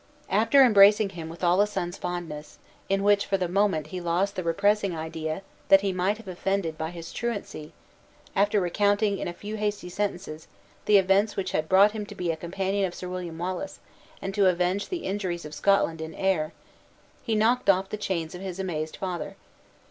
After embracing him with all a son's fondness, in which for the moment he lost the repressing idea, that he might have offended by his truancy; after recounting, in a few hasty sentences, the events which had brought him to be a companion of Sir William Wallace; and to avenge the injuries of Scotland in Ayr, he knocked off the chains of his amazed father.